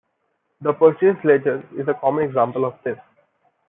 The Purchase Ledger is a common example of this.